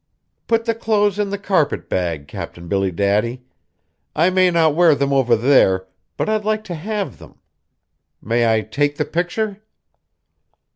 Put the clothes in the carpet bag, Cap'n Billy Daddy; I may not wear them over there, but I'd like to have them. May I take the picture?"